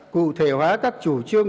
cụ thể hóa các chủ trương